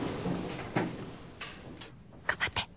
頑張って。